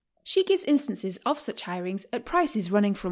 She gives instances of such hirings at prices running from $1.